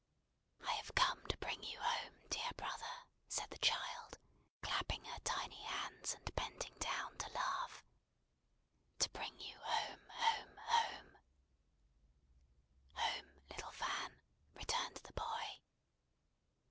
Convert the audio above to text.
"I have come to bring you home, dear brother!" said the child, clapping her tiny hands, and bending down to laugh. "To bring you home, home, home!" "Home, little Fan?" returned the boy.